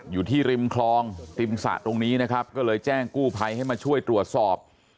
อยู่ที่ริมคลองติมสระตรงนี้นะครับก็เลยแจ้งกู้ภัยให้มาช่วยตรวจสอบ